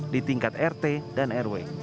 di tingkat rt dan rw